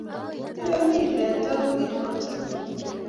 Oyoni Ole eng tai ko kimachomin